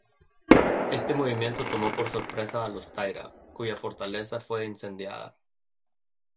Este movimiento tomó por sorpresa a los Taira, cuya fortaleza fue incendiada.